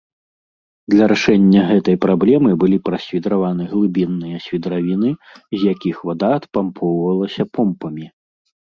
Для рашэння гэтай праблемы былі прасвідраваны глыбінныя свідравіны, з якіх вада адпампоўвалася помпамі.